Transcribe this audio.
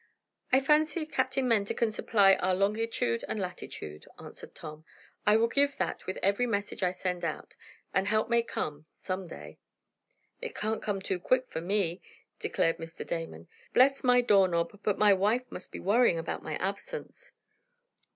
"I fancy Captain Mentor can supply our longitude and latitude," answered Tom. "I will give that with every message I send out, and help may come some day." "It can't come any too quick for me!" declared Mr. Damon. "Bless my door knob, but my wife must be worrying about my absence!"